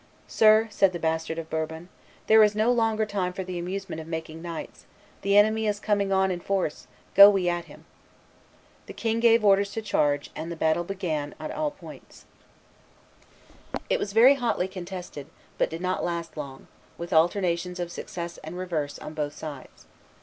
"Sir," said the bastard of Bourbon, "there is no longer time for the amusement of making knights; the enemy is coming on in force; go we at him." The king gave orders to charge, and the battle began at all points. [Illustration: Battle of Fornovo 303] It was very hotly contested, but did not last long, with alternations of success and reverse on both sides.